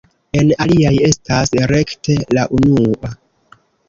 En aliaj estas rekte la unua.